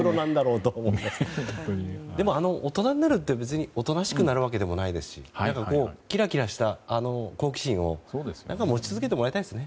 大人になるって別に、おとなしくなるわけでもないですしキラキラした好奇心を持ち続けてもらいたいですね。